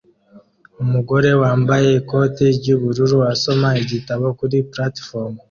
Umugore wambaye ikoti ry'ubururu asoma igitabo kuri platifomu